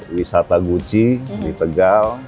wisata guci di tegal